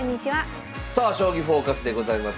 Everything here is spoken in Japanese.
さあ「将棋フォーカス」でございます。